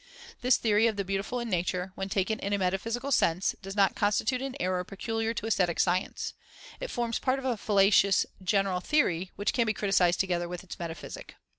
This theory of the beautiful in nature, when taken in a metaphysical sense, does not constitute an error peculiar to aesthetic science. It forms part of a fallacious general theory, which can be criticized together with its metaphysic.